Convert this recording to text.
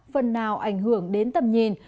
phần nào ảnh hưởng đến tầm nhìn